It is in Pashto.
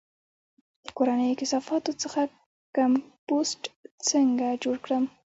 د کورنیو کثافاتو څخه کمپوسټ څنګه جوړ کړم؟